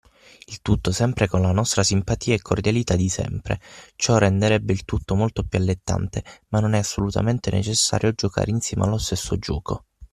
Il tutto sempre con la nostra simpatia e cordialità di sempre! Ciò renderebbe il tutto molto più allettante, ma non è assolutamente necessario giocare insieme allo stesso gioco.